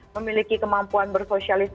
memiliki kemampuan bersosialisasi